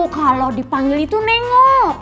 kalau dipanggil itu nengok